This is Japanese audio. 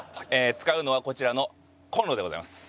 使うのはこちらのコンロでございます。